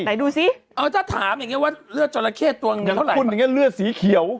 ไหนดูสิเออถ้าถามอย่างนี้ว่าเลือดจราเข้ตัวอย่างคุณอย่างนี้เลือดสีเขียว